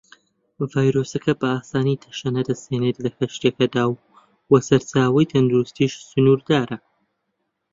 ڤایرۆسەکە بە ئاسانی تەشەنە دەستێنێت لە کەشتییەکەدا وە چارەسەری تەندروستیش سنوردارە.